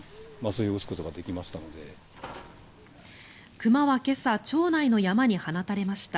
熊は今朝町内の山に放たれました。